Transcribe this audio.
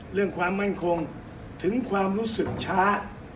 เรื่องความมั่นคงถึงความรู้สึกช้า